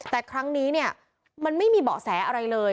แต่ครั้งนี้เนี่ยมันไม่มีเบาะแสอะไรเลย